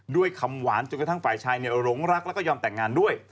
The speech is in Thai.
ด้วยคำหวานจนกระทั่งฝ่ายชายหลงรักแล้วก็ยอมแต่งงานด้วย